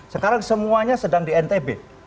sekarang semuanya sedang di ntb